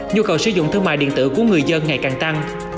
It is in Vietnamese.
nhu cầu sử dụng thương mại điện tử của người dân ngày càng tăng